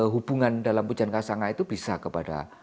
hubungan dalam pujan kasanga itu bisa kepada